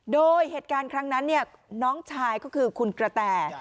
โดยเหตุการณ์ครั้งนั้นน้องชายก็คือคุณกระแต่